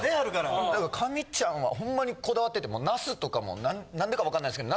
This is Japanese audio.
だから神ちゃんはほんまにこだわっててもうナスとかもなんでか分かんないですけど。